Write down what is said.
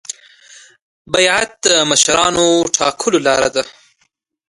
بیعت د مشر ټاکلو لار ده